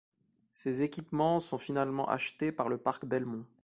Ses équipements sont finalement achetés par le parc Belmont.